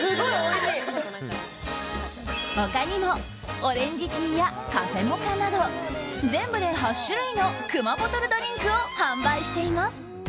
他にもオレンジティーやカフェモカなど全部で８種類のくまボトルドリンクを販売しています。